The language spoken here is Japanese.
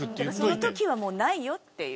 その時はもうないよっていう。